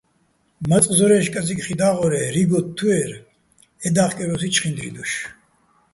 მაწყ ზორაჲში̆ კაძიკ ხი და́ღორ-ე რიგ ოთთუ́ერ, ჺედა́ხკერ ო́სი ჩხინდურ დოშ.